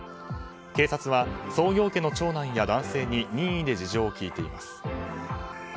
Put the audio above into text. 警察は創業家の長男や男性に任意で事情を聴いています。